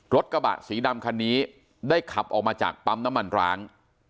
รถกระบะสีดำคันนี้ได้ขับออกมาจากปั๊มน้ำมันร้าง